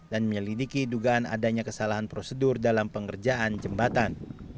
dan menyelidiki dugaan adanya kesalahan prosedur dalam pengerjaan jembatan